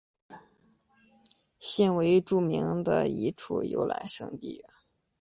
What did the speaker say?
现为著名的一处游览胜地。